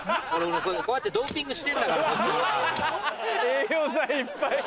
こうやってドーピングしてんだからこっちは。